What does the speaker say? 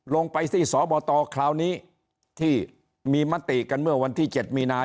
ลงไปที่สบตคราวนี้ที่มีมติกันเมื่อวันที่๗มีนา